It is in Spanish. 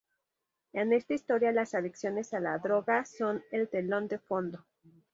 En esta historia las adicciones a la drogas son el telón de fondo.